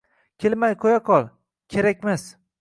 Kelmay qo‘ya qol, kerakmas.